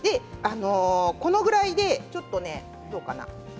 このぐらいで、ちょっとどうかな？